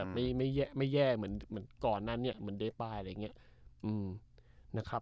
ไม่แย่ไม่แย่เหมือนเหมือนก่อนนั้นเนี่ยเหมือนได้ป้ายอะไรเงี้ยอืมนะครับ